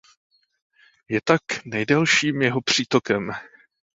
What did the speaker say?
Je tak nejdelším jeho přítokem.